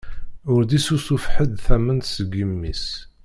Ur d-issusuf ḥedd tament seg imi-s.